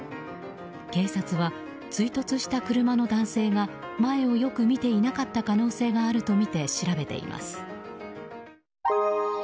警察は追突した車の男性が前をよく見ていなかった可能性があるとみて調べています。